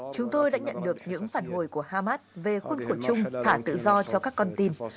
chúng tôi đã nhận được những phản hồi của hamas về khuôn khổ chung thả tự do cho các con tin